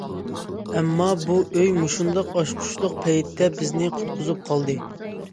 ئەمما، بۇ ئوي مۇشۇنداق ئاچقۇچلۇق پەيتتە بىزنى قۇتقۇزۇپ قالدى.